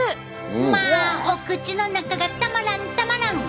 まあお口の中がたまらんたまらん。